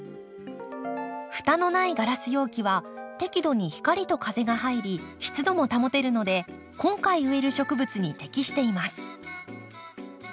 蓋のないガラス容器は適度に光と風が入り湿度も保てるので今回植える植物に適しています。